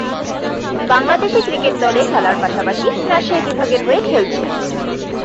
Bangladesh A cricket দলে খেলার পাশাপাশি রাজশাহী বিভাগের হয়ে খেলছেন।